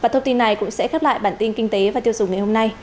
thông tin này cũng sẽ khép lại bản tin kinh tế và tiêu dùng ngày hôm nay